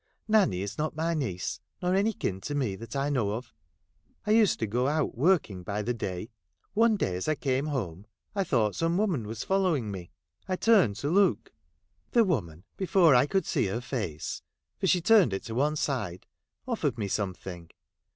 Nanny is not my niece, nor any kin to me that I know of. I used to go out working by the day. One night, as I came home, I thought some woman was following me ; I turned to look. The woman, before I could see her face (for she turned it to one side), offered me something.